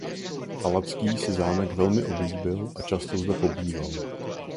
Palacký si zámek velmi oblíbil a často zde pobýval.